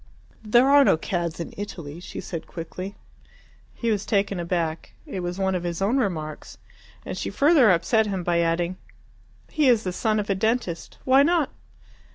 "There are no cads in Italy," she said quickly. He was taken aback. It was one of his own remarks. And she further upset him by adding, "He is the son of a dentist. Why not?"